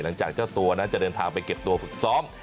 เจ้าตัวนั้นจะเดินทางไปเก็บตัวฝึกซ้อม